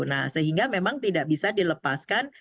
nah sehingga memang tidak bisa dilepaskan